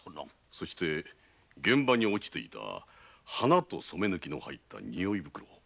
それに現場に落ちていた「花」と染め抜きの入った匂い袋。